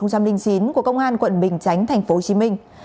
của công an quận bình chánh tp hcm